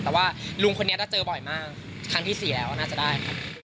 แต่ว่าลุงคนนี้ก็เจอบ่อยมากครั้งที่๔แล้วน่าจะได้ครับ